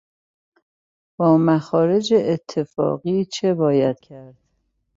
با مخارج اتفاقی چه باید کرد؟